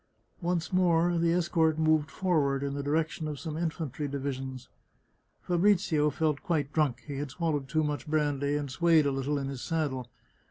Once more the escort moved forward, in the direction of some infantry divisions. Fabrizio felt quite drunk ; he had swallowed too much brandy, and swayed a little in his sad dle.